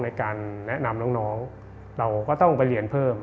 ในการแนะนำน้องเราก็ต้องไปเรียนเพิ่ม